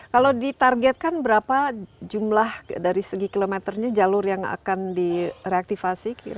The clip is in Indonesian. kalau ditargetkan berapa jumlah dari segi kilometernya jalur yang akan direaktivasi